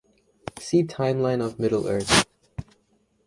See Timeline of Middle-earth.